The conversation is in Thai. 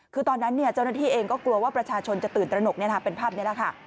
คือตอนนั้นเจ้าหน้าที่เองก็กลัวว่าประชาชนจะตื่นตระหนกเป็นภาพนี้แหละค่ะ